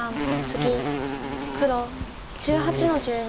黒１８の十二。